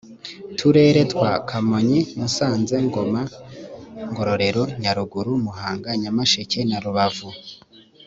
turere twa kamonyi musanze ngoma ngororero nyaruguru muhanga nyamasheke na rubavu